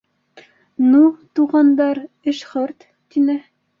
— Ну, туғандар, эш хөрт, — тине.